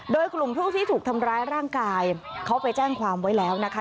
โดยกลุ่มผู้ที่ถูกทำร้ายร่างกายเขาไปแจ้งความไว้แล้วนะคะ